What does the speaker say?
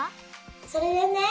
それでね